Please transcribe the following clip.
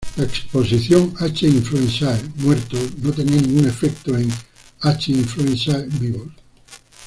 La exposición a "H. influenzae" muertos no tenía ningún efecto en "H. influenzae" vivos.